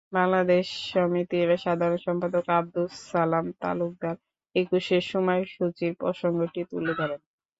বাংলাদেশ সমিতির সাধারণ সম্পাদক আবদুস সালাম তালুকদার একুশের সময়সূচির প্রসঙ্গটি তুলে ধরেন।